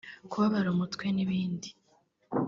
kubabara umutwe n’ibindi